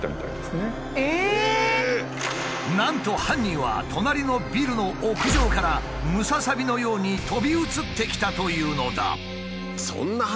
なんと犯人は隣のビルの屋上からムササビのように飛び移ってきたというのだ。